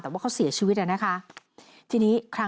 แต่ว่าเขาเสียชีวิตนะคะ